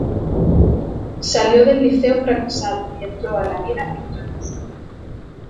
Salió del Liceo fracasado y entró a la vida victorioso.